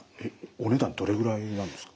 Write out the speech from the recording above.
お値段どれぐらいなんですか？